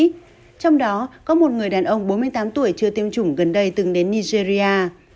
trong đó có một người đàn ông bốn mươi tám tuổi chưa tiêm chủng gần đây từng đến nigeria